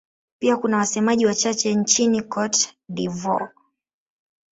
Pia kuna wasemaji wachache nchini Cote d'Ivoire.